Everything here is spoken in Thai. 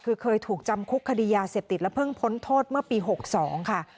คือเคยถูกจำคุกคดียาเสพติดและเพิ่งพ้นโทษเมื่อปี๖๒ค่ะ